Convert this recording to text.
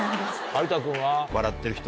有田君は？